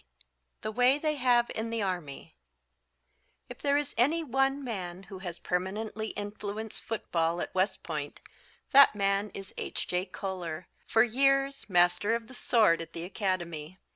THE WAY THEY HAVE IN THE ARMY If there is any one man who has permanently influenced football at West Point that man is H. J. Koehler, for years Master of the Sword at the Academy.